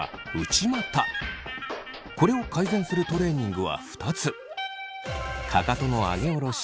これを改善するトレーニングは２つ。